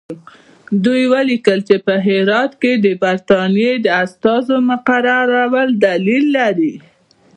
دوی ولیکل چې په هرات کې د برټانیې د استازي مقررول دلیل لري.